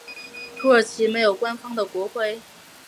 土耳其没有官方的国徽。